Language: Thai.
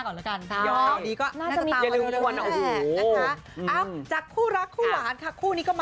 บอกก่อนได้ไหม